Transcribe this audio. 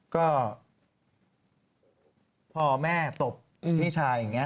ก็พอแม่ตบพี่ชายอย่างนี้